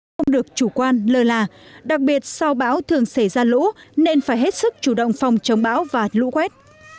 không được chủ quan lơ là đặc biệt sau bão thường xảy ra lũ nên phải hết sức chủ động phòng chống bão và lũ quét